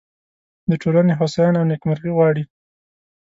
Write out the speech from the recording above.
د ټولنې هوساینه او نیکمرغي غواړي.